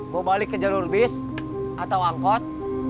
mau balik ke jalur bis atau angkot